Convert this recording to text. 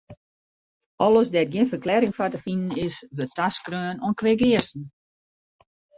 Alles dêr't gjin ferklearring foar te finen is, wurdt taskreaun oan kweageasten.